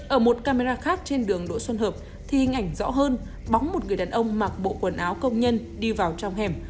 ở một camera khác trên đường đỗ xuân hợp thì hình ảnh rõ hơn bóng một người đàn ông mặc bộ quần áo công nhân đi vào trong hẻm